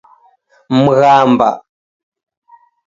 Mghamba